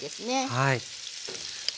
はい。